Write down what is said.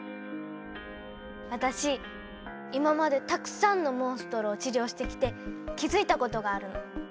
私今までたくさんのモンストロを治療してきて気づいたことがあるの。